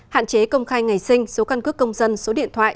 hạn chế công khai ngày sinh số căn cước công dân số điện thoại